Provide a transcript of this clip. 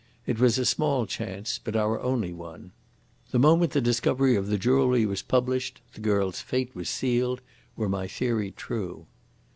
It was a small chance but our only one. The moment the discovery of the jewellery was published the girl's fate was sealed, were my theory true.